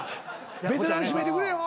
ベテラン締めてくれよ。